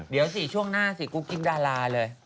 เดี๋ยวสิช่วงหน้าสิกุ๊กกิ๊บดาราเลย